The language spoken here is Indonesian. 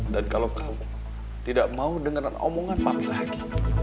dan kalo kamu tidak mau dengeran omongan papi lagi